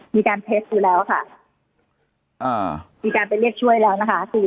มีการเท็จอยู่แล้วค่ะอ่ามีการไปเรียกช่วยแล้วนะคะ